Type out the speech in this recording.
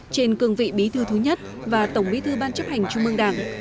trên cương vị bí thư thứ nhất và tổng bí thư ban chấp hành trung mương đảng